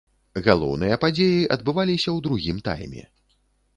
Галоўныя падзеі адбываліся ў другім тайме.